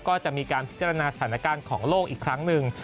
ก็จะมีการพิจารณาสถานการณ์ของโลกอีกครั้งหนึ่ง